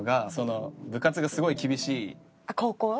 高校？